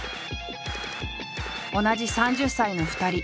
同じ３０歳の２人。